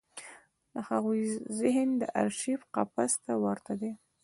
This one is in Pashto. د هغوی ذهن د ارشیف قفس ته ورته دی.